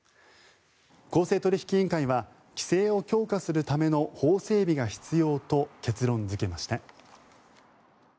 公正取引委員会は規制を強化するための法整備が必要と結論付けました。